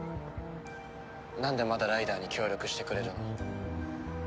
なんでまだライダーに協力してくれるの？